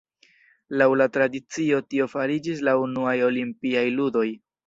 Laŭ la tradicio, tio fariĝis la unuaj olimpiaj ludoj.